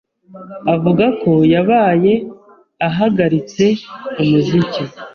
avuga ko yabaye ahagaritse umuziki.